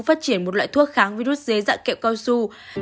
phát triển một loại thuốc kháng virus dưới dạng kẹo cao su